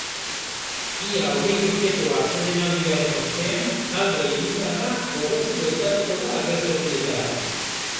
Ia hogei urteko atsedenaldiaren ostean, talde irundarra gogotsu bueltatuko da agertokietara.